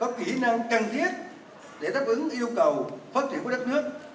các kỹ năng cần thiết để đáp ứng yêu cầu phát triển của đất nước